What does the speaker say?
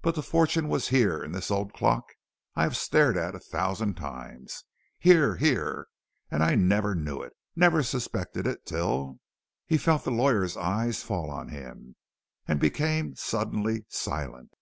But the fortune was here in this old clock I have stared at a thousand times. Here, here, and I never knew it, never suspected it till " He felt the lawyer's eyes fall on him, and became suddenly silent.